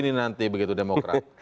nanti begitu demokrat